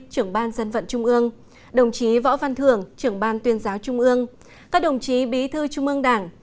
trưởng ban dân vận trung ương đồng chí võ văn thưởng trưởng ban tuyên giáo trung ương các đồng chí bí thư trung ương đảng